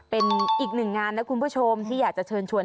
เป็นอีกหนึ่งงานนะคุณผู้ชมที่อยากจะเชิญชวน